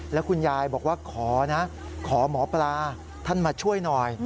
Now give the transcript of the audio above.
แล้วคุณยายบอกว่าขอนะขอหมอปลาท่านมาช่วยหน่อย